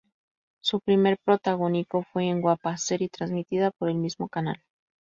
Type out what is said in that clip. Su primer protagónico fue en "Guapas", serie transmitida por el mismo canal.